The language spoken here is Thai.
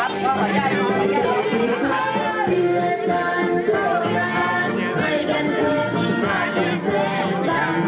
ไม่ยอมใช่ไหมที่พระเจ้ากายงค์ทำแบบนี้กับพวกเรายอมไหม